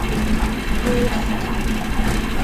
n'efù.